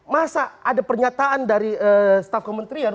masa ada pernyataan dari staf kementerian